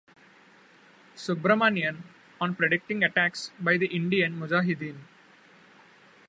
Subrahmanian on predicting attacks by the Indian Mujahideen.